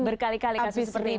berkali kali kasus seperti ini